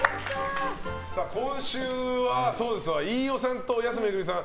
今週は飯尾さんと安めぐみさん